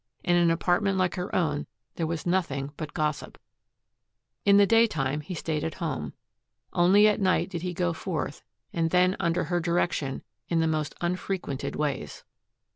In an apartment like her own there was nothing but gossip. In the daytime he stayed at home. Only at night did he go forth and then under her direction in the most unfrequented ways.